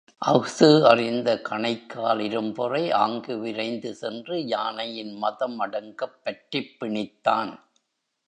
அஃது அறிந்த கணைக்கால் இரும்பொறை, ஆங்கு விரைந்து சென்று, யானையின் மதம் அடங்கப் பற்றிப் பிணித்தான்.